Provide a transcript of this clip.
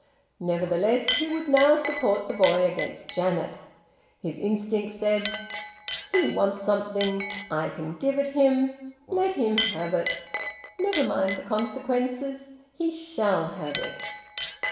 Nevertheless he would now support the boy against Janet. His instinct said: "He wants something. I can give it him. Let him have it. Never mind consequences. He shall have it."